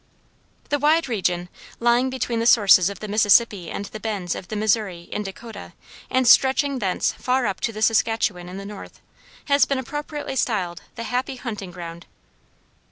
The wide region, lying between the sources of the Mississippi and the bends of the Missouri in Dakota, and stretching thence far up to the Saskatchewan in the north, has been appropriately styled "the happy hunting ground."